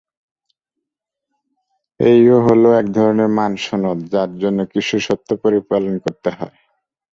এইও হলো একধরনের মান সনদ, যার জন্য কিছু শর্ত পরিপালন করতে হয়।